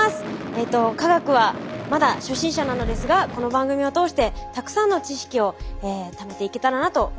えっと科学はまだ初心者なのですがこの番組を通してたくさんの知識をためていけたらなと思います。